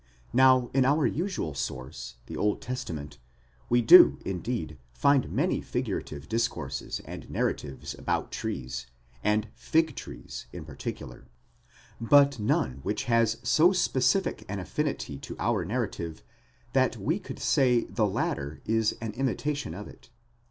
Now in our usual source, the Old Testament, we do, indeed, find many figurative discourses and narratives about trees, and fig trees in particular ; but none which has so specific an affinity to our narrative, that we could say the latter is an imitation of it.